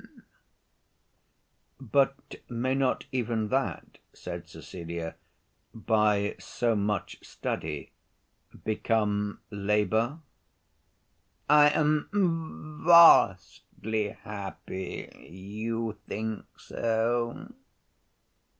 "But may not even that," said Cecilia, "by so much study become labor?" "I am vastly happy you think so."